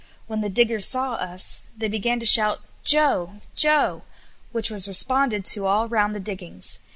When the diggers saw us they they began to shout, "Joe! Joe!" which was responded to all round the diggings.